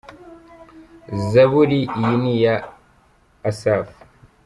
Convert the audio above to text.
Zaburi iyi ni iya Asafu.